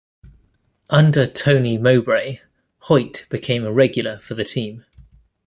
Under Tony Mowbray, Hoyte became a regular for the team.